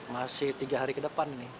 masih tiga hari ke depan ini